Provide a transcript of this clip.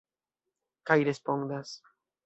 Kaj respondas.